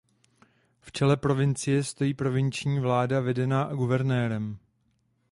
V čele provincie stojí provinční vláda vedená guvernérem.